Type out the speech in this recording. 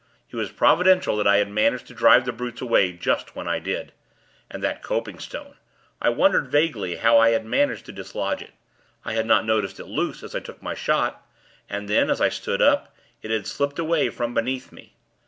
It was Providential that I had managed to drive the brutes away just when I did! And that copingstone! I wondered, vaguely, how I had managed to dislodge it. I had not noticed it loose, as I took my shot; and then, as I stood up, it had slipped away from beneath me